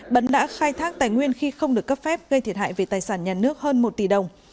bấn đã khai thác tài nguyên khi không được cấp phép gây thiệt hại về tài sản nhà nước hơn một tỷ đồng